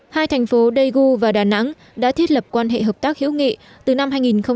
hai thành phố daegu và đà nẵng đã thiết lập quan hệ hợp tác hữu nghị từ năm hai nghìn bốn